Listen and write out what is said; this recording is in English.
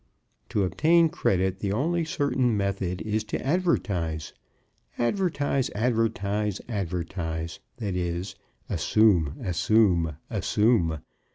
To obtain credit the only certain method is to advertise. Advertise, advertise, advertise. That is, assume, assume, assume.